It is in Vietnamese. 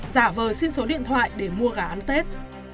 giả vờ xin số điện thoại để mua gà ăn tết